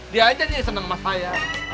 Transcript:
dia aja nih seneng mas saya